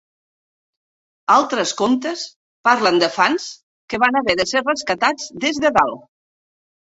Altres comptes parlen de fans que van haver de ser rescatats des de dalt.